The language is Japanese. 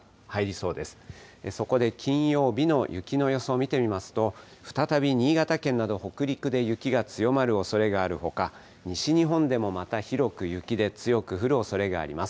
そこで金曜日の雪の予想、見てみますと、再び新潟県など北陸で雪が強まるおそれがあるほか、西日本でもまた広く雪で、強く降るおそれがあります。